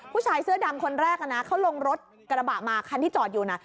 ผู้ชายเสื้อดำคนแรกนะเขาลงรถกระบะมาคันที่จอดอยู่นะ